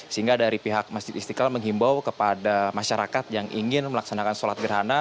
sehingga dari pihak masjid istiqlal menghimbau kepada masyarakat yang ingin melaksanakan sholat gerhana